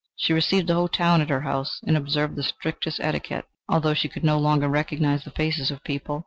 She received the whole town at her house, and observed the strictest etiquette, although she could no longer recognise the faces of people.